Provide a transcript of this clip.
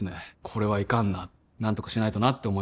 これはいかんな何とかしないとなって思いますよね